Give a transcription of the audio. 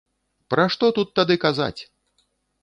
Пра што тут тады казаць!